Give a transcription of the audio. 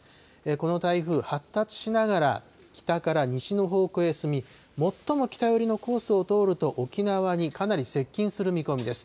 この台風、発達しながら北から西の方向へ進み、最も北寄りのコースを通ると、沖縄にかなり接近する見込みです。